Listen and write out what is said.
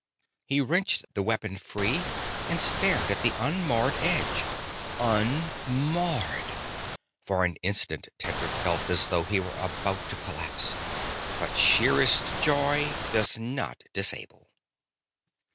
He wrenched the weapon free and stared at the unmarred edge. UNMARRED! For an instant Tedric felt as though he were about to collapse; but sheerest joy does not disable.